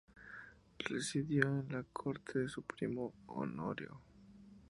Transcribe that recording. Residió en la corte de su primo, Honorio.